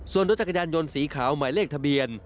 ส่วนรถจักรยานยนต์สีขาวหมายเลขทะเบียน